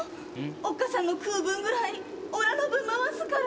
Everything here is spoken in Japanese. おっかさんの食う分ぐらいおらの分回すから。